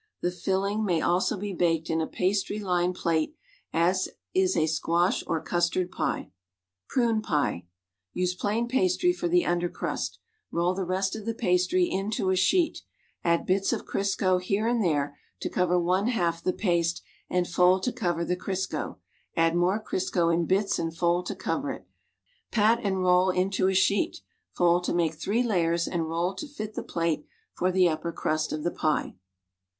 The filling may also be baked in a pastry lined plate as is aisquash or custard pie. PRUNE PIE Use plain pastry for the under crust; roll the rest of the pastry into a sheet; add bits of Crisco, here and there, to cover one half the paste and fold to cov er the Crisco; add more Crisco in bits and fold to cover it; past and roll into a sheet, fold to make three layers and roll to fit the plate for the upper crust of the pie.